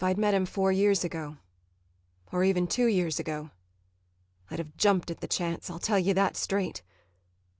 ] If I'd met him four years ago or even two years ago I'd have jumped at the chance, I tell you that straight.